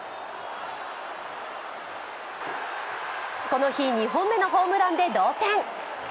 この日、２本目のホームランで同点。